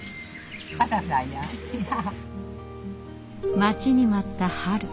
待ちに待った春。